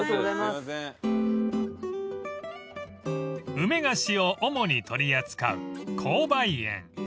［梅菓子を主に取り扱う紅梅苑］